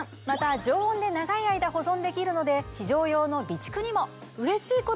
また常温で長い間保存できるので非常用の備蓄にも。